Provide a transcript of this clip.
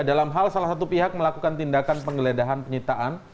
dalam hal salah satu pihak melakukan tindakan penggeledahan penyitaan